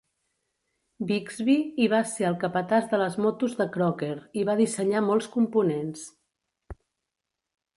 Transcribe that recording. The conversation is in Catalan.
Bigsby, i va ser el capatàs de les motos de Crocker, i va dissenyar molts components.